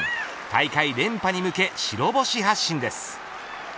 大会連覇に向け白星発進です。